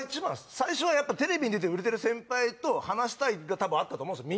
最初は「テレビに出てる売れてる先輩と話したい」が多分あったと思うんですよ